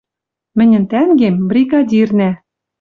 Мӹньӹн тӓнгем — бригадирнӓ